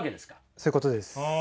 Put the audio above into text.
そういうことです。